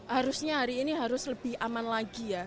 harusnya hari ini harus lebih aman lagi ya